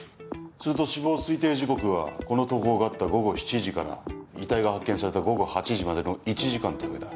すると死亡推定時刻はこの投稿があった午後７時から遺体が発見された午後８時までの１時間というわけだ。